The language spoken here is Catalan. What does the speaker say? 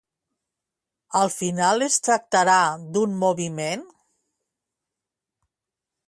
Al final es tractarà d'un moviment?